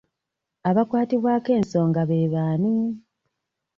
Abakwatibwako ensonga be baani?